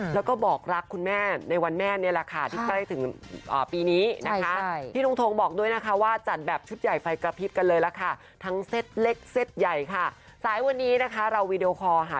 แล้วก็บอกรักคุณแม่ในวันแม่นี้แหละค่ะ